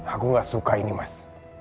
aku gak suka ini mas